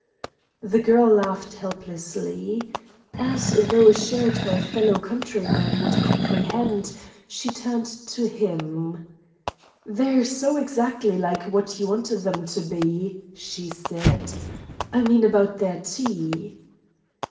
The girl laughed helplessly. As though assured her fellow countryman would comprehend, she turned to him. "They're so exactly like what you want them to be," she said "I mean about their tea!"